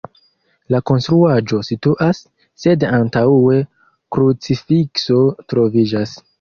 La konstruaĵo situas, sed antaŭe krucifikso troviĝas.